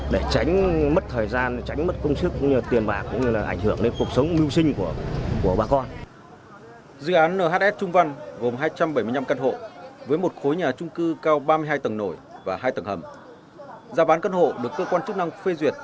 để tránh tình trạng quá tải